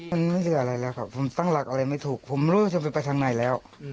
มันไม่เสียอะไรแล้วครับผมตั้งหลักอะไรไม่ถูกผมรู้ว่าจะไปทางไหนแล้ว